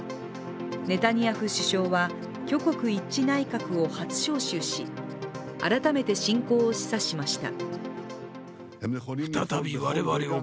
ネタニヤフ首相は挙国一致内閣を初招集し改めて侵攻を示唆しました。